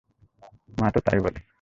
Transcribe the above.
মাতো তাই বলে।